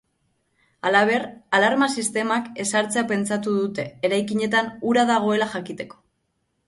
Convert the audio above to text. Halaber, alarma sistemak ezartzea pentsatu dute, eraikinetan ura dagoela jakiteko.